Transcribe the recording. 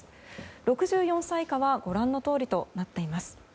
６４歳以下はご覧のとおりとなっています。